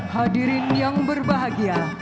hadirin yang berbahagia